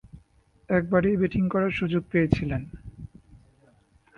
একবারই ব্যাটিং করার সুযোগ পেয়েছিলেন।